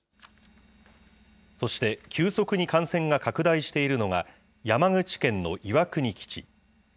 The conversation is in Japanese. そして、急速に感染が拡大しているのが、山口県の岩国基地。